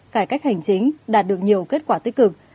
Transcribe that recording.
cải cách hành chính đạt được nhiều kết quả tích cực